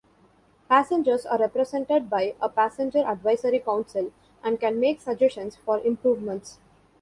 Passengers are represented by a Passenger Advisory Council and can make suggestions for improvements.